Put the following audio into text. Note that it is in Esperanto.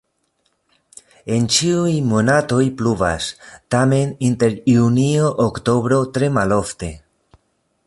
En ĉiuj monatoj pluvas, tamen inter junio-oktobro tre malofte.